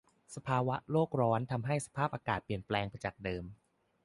ภาวะโลกร้อนทำให้สภาพอากาศเปลี่ยนแปลงไปจากเดิม